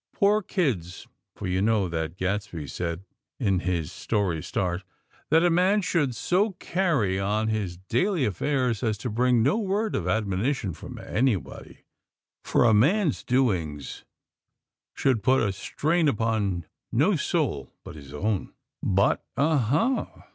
Poor kids!" for you know that Gadsby said, in this story's start, that "a man should so carry on his daily affairs as to bring no word of admonition from anybody;" for a man's doings should put a stain upon no soul but his own. But, _aha!!